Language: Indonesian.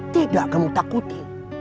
tidak kamu takuti